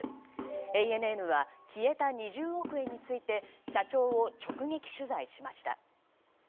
ＡＮＮは消えた２０億円について社長を直撃取材しました。